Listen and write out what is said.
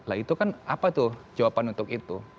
lah itu kan apa tuh jawaban untuk itu